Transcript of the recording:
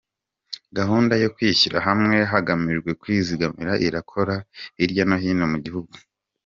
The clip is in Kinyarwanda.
Gahunda yo kwishyira hamwe hagamijwe kwizigama irakora hirya no hino mu gihugu.